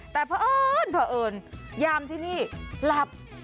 แต่เพราะเอิญเผอิญยามที่นี่หลับ